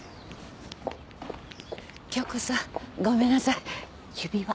杏子さんごめんなさい指輪。